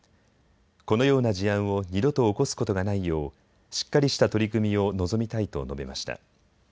このような事案を二度と起こすことがないようしっかりした取り組みを望みたいと述べました。